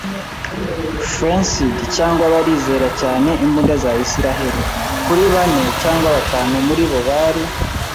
fancied cyangwa barizera cyane imbunda za Isiraheli. Kuri bane cyangwa batanu muri bo bari